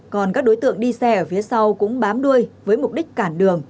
còn các đối tượng đi xe ở phía sau cũng bám đuôi với mục đích cản đường